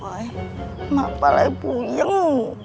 woy kenapa puyeng